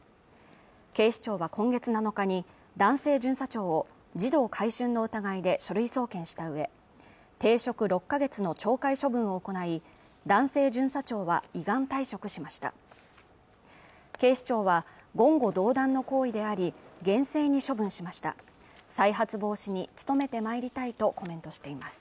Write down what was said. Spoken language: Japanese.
警視庁は今月７日に男性巡査長を児童買春の疑いで書類送検したうえ停職６か月の懲戒処分を行い男性巡査長は依願退職しました警視庁は言語道断の行為であり厳正に処分しました再発防止に努めてまいりたいとコメントしています